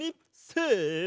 せの！